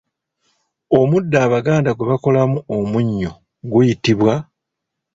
Omuddo Abaganda gwe bakolamu omunnyu guyitibwa?